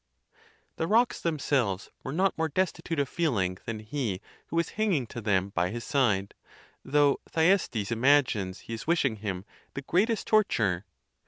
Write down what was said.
The rocks themselves were not more destitute of feeling than he who was hanging to them by his side; though Thyestes imagines he is wishing him the greatest torture.